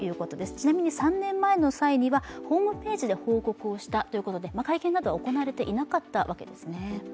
ちなみに３年前の際にはホームページで報告をしたということで会見などは行われていなかったわけですね。